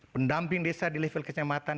pendamping desa di level kecamatan